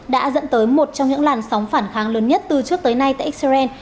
đã dẫn tới một trong những làn sóng phản kháng lớn nhất từ trước tới nay tại israel